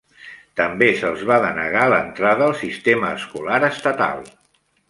També se'ls va denegar l'entrada al sistema escolar estatal.